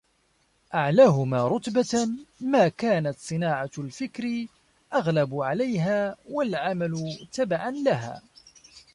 أَعْلَاهُمَا رُتْبَةً مَا كَانَتْ صِنَاعَةُ الْفِكْرِ أَغْلَبُ عَلَيْهَا وَالْعَمَلُ تَبَعًا لَهَا